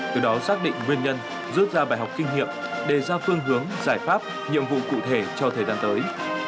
từ đó xác định nguyên nhân rút ra bài học kinh nghiệm đề ra phương hướng giải pháp nhiệm vụ cụ thể cho thời gian tới